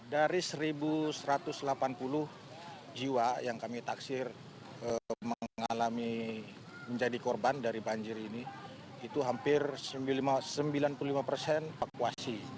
dari satu satu ratus delapan puluh jiwa yang kami taksir mengalami menjadi korban dari banjir ini itu hampir sembilan puluh lima persen evakuasi